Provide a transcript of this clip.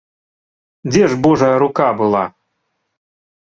Дзе ж божая рука была?!.